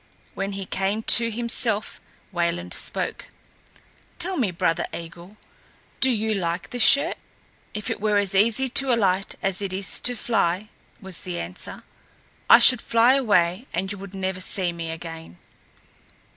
When he came to himself Wayland spoke: "Tell me, brother Eigil, do you like the shirt?" "If it were as easy to alight as it is to fly," was the answer, "I should fly away and you would never see me again."